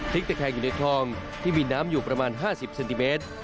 พลิกแต่แขกอยู่ในทองที่มีน้ำอยู่ประมาณ๕๐ซินติเมตร